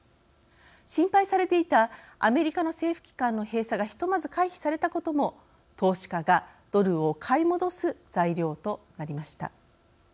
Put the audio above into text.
心配されていたアメリカの政府機関の閉鎖がひとまず回避されたことも投資家がドルを買い戻す材料となりました。